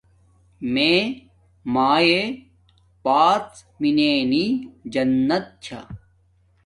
میے مایاݵ پاڎ مننی جنت چھا